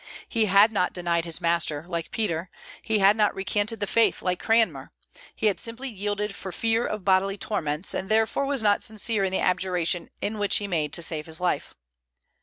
He had not denied his master, like Peter; he had not recanted the faith like Cranmer; he had simply yielded for fear of bodily torments, and therefore was not sincere in the abjuration which he made to save his life.